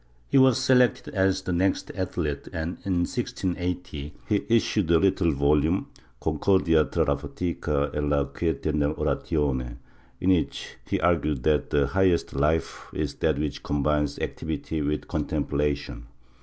He was selected as the next athlete and, in 1680, he issued a little volume — "Concordia tra la fatica e la quiete nell' oratione," in which he argued that the highest life is that which coml)ines activity with contemplation.